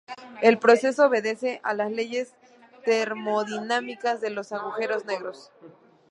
El proceso obedece a las leyes termodinámicas de los agujeros negros.